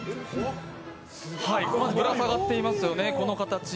ぶら下がっていますよね、この形。